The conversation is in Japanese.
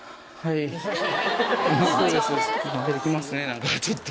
何かちょっと。